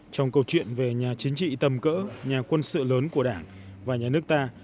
trong câu chuyện về nhà chính trị tầm cỡ nhà quân sự lớn của đảng và nhà nước ta